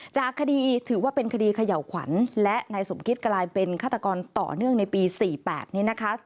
จากคดีถือว่าเป็นคดีเขย่าขวัญและนายสมคิตกลายเป็นฆาตกรต่อเนื่องในปี๔๘นี้นะคะ